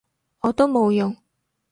我都冇用